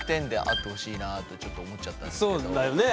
そうだよね。